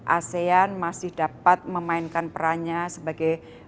asean masih dapat memainkan perannya sebagai